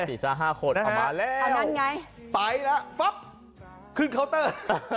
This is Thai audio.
เอามาแล้วอันนั้นไงไปแล้วฟับขึ้นเคาน์เตอร์